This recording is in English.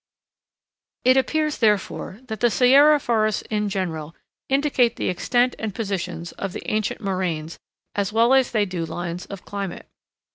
] It appears, therefore, that the Sierra forests in general indicate the extent and positions of the ancient moraines as well as they do lines of climate.